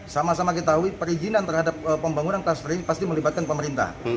sama sama kita tahu perizinan terhadap pembangunan klaster ini pasti melibatkan pemerintah